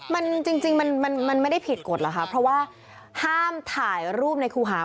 มันจริงมันมันไม่ได้ผิดกฎหรอกค่ะเพราะว่าห้ามถ่ายรูปในครูหา